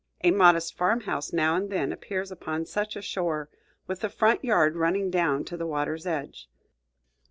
A modest farm house now and then appears upon such a shore, with the front yard running down to the water's edge.